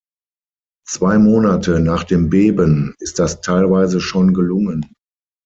Zwei Monate nach dem Beben ist das teilweise schon gelungen.